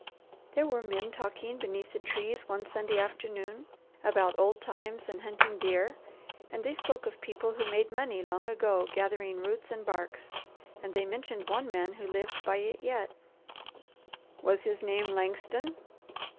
"There were men talking beneath the trees one Sunday afternoon about old times and hunting deer, and they spoke of people who made money long ago gathering roots and barks, and they mentioned one man who lived by it yet." "Was his name Langston?"